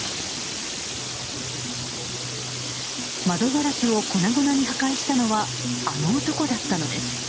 窓ガラスを粉々に破壊したのはあの男だったのです。